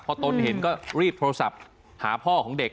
พอตนเห็นก็รีบโทรศัพท์หาพ่อของเด็ก